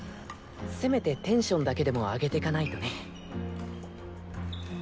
せめてテンションだけでも上げてかないとね。